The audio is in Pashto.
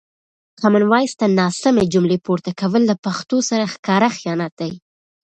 کامن وایس ته ناسمې جملې پورته کول له پښتو سره ښکاره خیانت دی.